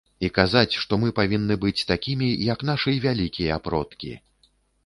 І казаць, што мы павінны быць такімі, як нашы вялікія продкі.